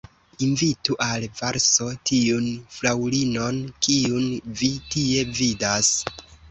Invitu al valso tiun fraŭlinon, kiun vi tie vidas.